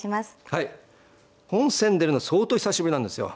はい本戦に出るの相当久しぶりなんですよ。